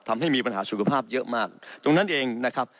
ทำให้มีปัญหาสุขภาพเยอะมากตรงนั้นเองนะครับ